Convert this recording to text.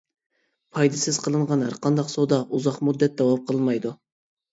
پايدىسىز قىلىنغان ھەرقانداق سودا ئۇزاق مۇددەت داۋام قىلمايدۇ.